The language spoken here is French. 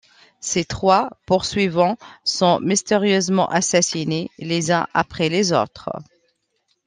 Ses trois poursuivants sont mystérieusement assassinés les uns après les autres.